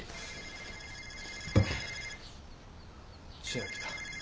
千明だ。